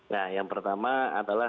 nah yang pertama adalah